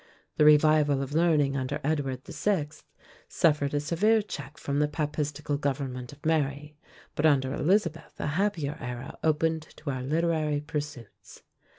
The revival of learning under Edward the Sixth suffered a severe check from the papistical government of Mary; but under Elizabeth a happier era opened to our literary pursuits.